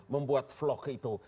membuat vlog itu